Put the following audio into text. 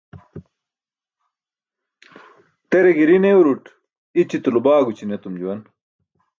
Tere giri neuruṭ ićitulo baagući̇n etum juwan.